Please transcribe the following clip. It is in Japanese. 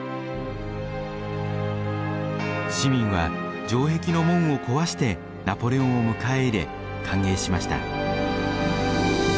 市民は城壁の門を壊してナポレオンを迎え入れ歓迎しました。